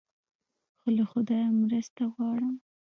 خو له خدایه مرسته غواړم.